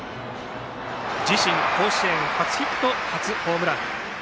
自身甲子園初ヒット、初ホームラン。